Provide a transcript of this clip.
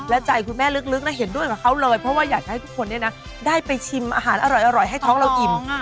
และใจคุณแม่ลึกนะเห็นด้วยกับเขาเลยเพราะว่าอยากให้ทุกคนได้ไปชิมอาหารอร่อยให้ท้องเราอิ่ม